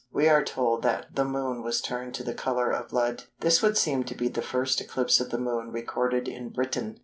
We are told that "the Moon was turned to the colour of blood." This would seem to be the first eclipse of the Moon recorded in Britain.